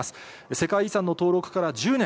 世界遺産の登録から１０年。